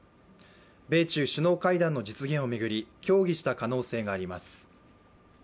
米中首脳会談の実現を巡り、協議した可能性があります